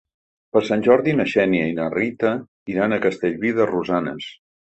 Per Sant Jordi na Xènia i na Rita iran a Castellví de Rosanes.